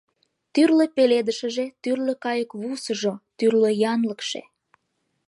Тӱрлӧ пеледышыже, тӱрлӧ кайыквусыжо, тӱрлӧ янлыкше...